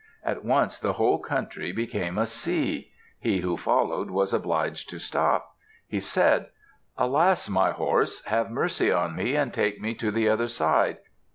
At once the whole country became a sea. He who followed was obliged to stop. He said, "Alas, my horse, have mercy on me and take me to the other side.